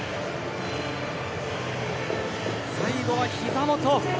最後はひざ元。